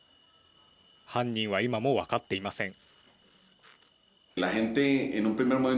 犯人は今も分かっていません。